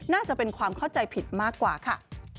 น่าจะเป็นความเข้าใจผิดมากกว่าค่ะ